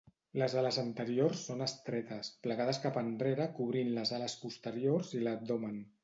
Les ales anteriors són estretes, plegades cap enrere cobrint les ales posteriors i l'abdomen.